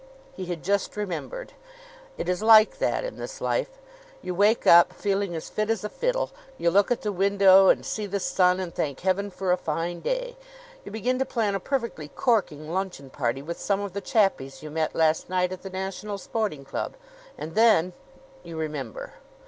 He had just remembered. It is like that in this life. You wake up, feeling as fit as a fiddle; you look at the window and see the sun, and thank Heaven for a fine day; you begin to plan a perfectly corking luncheon party with some of the chappies you met last night at the National Sporting Club; and then you remember.